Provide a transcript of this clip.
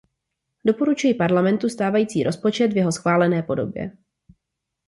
Doporučuji Parlamentu stávající rozpočet v jeho schválené podobě.